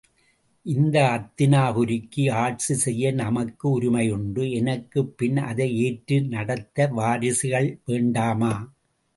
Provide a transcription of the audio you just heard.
இந்த அத்தினாபுரிக்கு ஆட்சி செய்ய நமக்கு உரிமை உண்டு எனக்குப்பின் அதை ஏற்று நடத்த வாரிசுகள் வேண்டாமா?